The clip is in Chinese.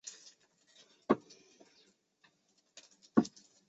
旧中国和旧社会则是中国共产党过去常用的政治术语。